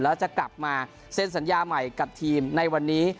แล้วจะกลับมาเซ็นสัญญาใหม่กับทีมในวันนี้